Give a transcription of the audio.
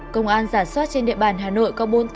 công an giả soát trên địa bàn hà nội có bốn mươi tám